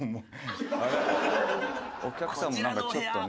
お客さんもなんかちょっとね。